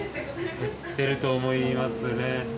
減ってると思いますね。